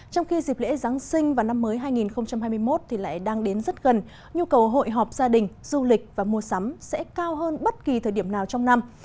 trong khi dịp lễ giáng sinh và năm mới hai nghìn hai mươi một lại đang đến rất gần nhu cầu hội họp gia đình du lịch và mua sắm sẽ cao hơn bất kỳ thời điểm nào trong năm